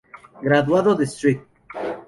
Graduado de St.